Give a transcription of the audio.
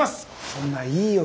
そんないいよ